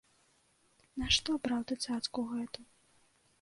Нашто браў ты цацку гэту?